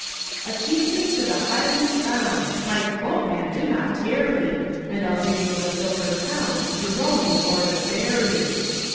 A chieftain to the Highlands bound Cried "Boatman do not tarry! And I'll give you a silver pound To row me o'er the ferry."